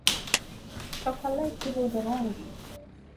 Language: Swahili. chokoleti hudhurungi